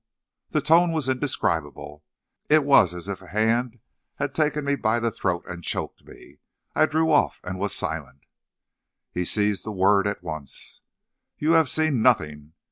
"The tone was indescribable. It was as if a hand had taken me by the throat and choked me. I drew off and was silent. "He seized the word at once. "'You have seen nothing.